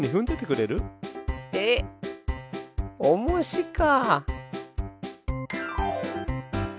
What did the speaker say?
えっおもしか。